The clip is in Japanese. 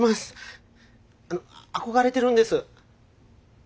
憧れてるんです。